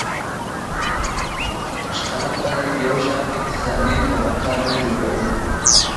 شتمن خلک یو شان اقتصادي طبقه نه جوړوي.